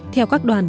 theo các đoàn